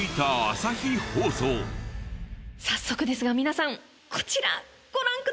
早速ですが皆さんこちらご覧ください！